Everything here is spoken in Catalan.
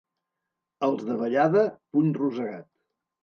Els de Vallada, puny rosegat.